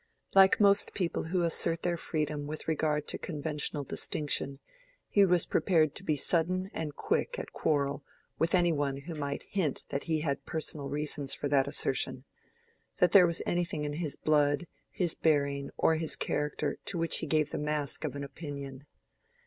Like most people who assert their freedom with regard to conventional distinction, he was prepared to be sudden and quick at quarrel with any one who might hint that he had personal reasons for that assertion—that there was anything in his blood, his bearing, or his character to which he gave the mask of an opinion.